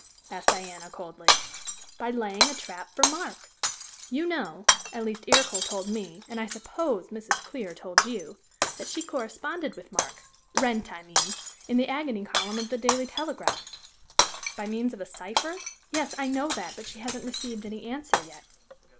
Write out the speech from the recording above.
asked Diana coldly. "By laying a trap for Mark. You know at least Ercole told me, and I suppose Mrs. Clear told you that she corresponded with Mark Wrent, I mean in the agony column of the Daily Telegraph. "By means of a cypher? Yes, I know that, but she hasn't received any answer yet."